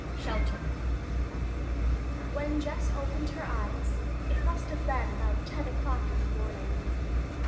SHELTER When Jess opened her eyes it must have been about ten o'clock in the morning.